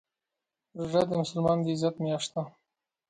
روژه د مسلمان د عزت میاشت ده.